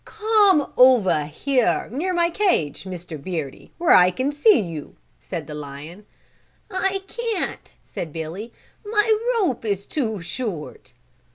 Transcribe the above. "Come over here, near my cage, Mr. Beardy, where I can see you," said the lion. "I can't," said Billy, "my rope is too short."